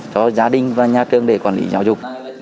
cho gia đình và nhà trường để quản lý giáo dục